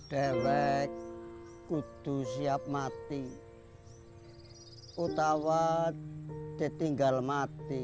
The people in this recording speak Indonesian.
dewek kudus siap mati utawa ditinggal mati